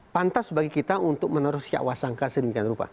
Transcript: pantas bagi kita untuk menerus siak wasangka sedemikian rupa